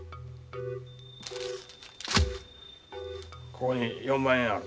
ここに４万円ある。